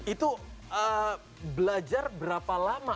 itu belajar berapa lama